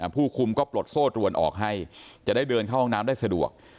ผู้คุมก็ปลดโซ่ตรวนออกให้จะได้เดินเข้าห้องน้ำได้สะดวก